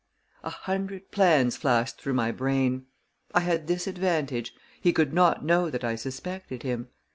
A hundred plans flashed through my brain. I had this advantage: he could not know that I suspected him.